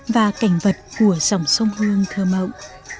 và cảnh vật của dòng sông hương thơ mộng